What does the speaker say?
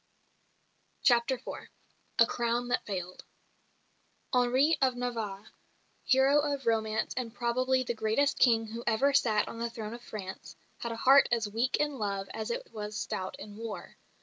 CHAPTER IV A CROWN THAT FAILED Henri of Navarre, hero of romance and probably the greatest King who ever sat on the throne of France, had a heart as weak in love as it was stout in war.